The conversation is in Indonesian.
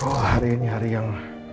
oh hari ini hari yang